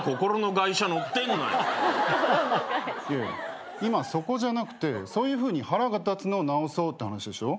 いや今そこじゃなくてそういうふうに腹が立つのを直そうって話でしょ？